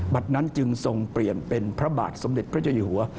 นั้นจึงทรงเปลี่ยนเป็นพระบาทสมเด็จพระเจ้าอยู่หัว